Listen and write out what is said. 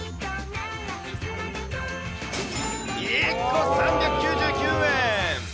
１個３９９円。